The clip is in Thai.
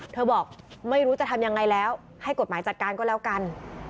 บอกไม่รู้จะทำยังไงแล้วให้กฎหมายจัดการก็แล้วกัน